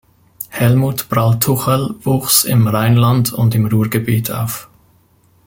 Helmut Brall-Tuchel wuchs im Rheinland und im Ruhrgebiet auf.